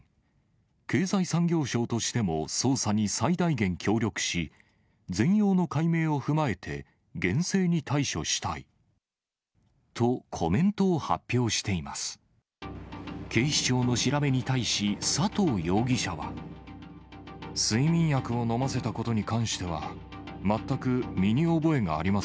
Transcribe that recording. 経済産業省としても捜査に最大限協力し、全容の解明を踏まえて、と、コメントを発表しています。